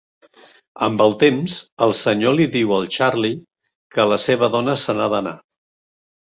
Amb el temps, el senyor li diu al Charley que la seva dona se n'ha d'anar.